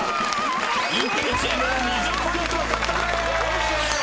［インテリチーム２０ポイント獲得でーす！］